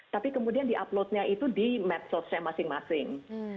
tapi kemudian di upload nya itu di mapsource nya masing masing